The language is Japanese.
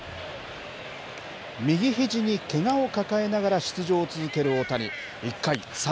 右ひじにけがを抱えながら出場を続ける大谷。